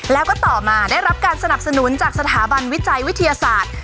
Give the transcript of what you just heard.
แล้วก็ต่อมาได้รับการสนับสนุนจากสถาบันวิจัยวิทยาศาสตร์